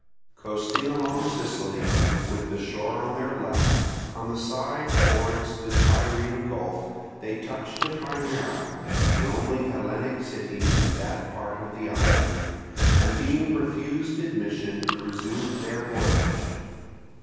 Coasting along Sicily, with the shore on their left, on the side towards the Tyrrhene Gulf they touched at Himera, the only Hellenic city in that part of the island, and being refused admission resumed their voyage.